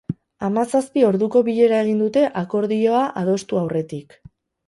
Hamazazpi orduko bilera egin dute akordioa adostu aurretik.